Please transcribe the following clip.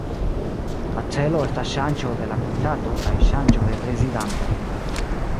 La celo estas ŝanĝo de la komitato, kaj ŝanĝo de prezidanto.